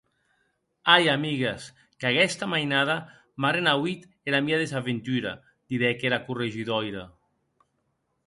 Ai, amigues, qu'aguesta mainada m'a renauit era mia desaventura!, didec era Corregidoira.